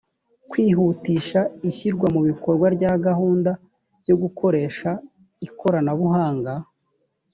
kwihutisha ishyirwa mu bikorwa rya gahunda yo gukoresha ikoranabuhanga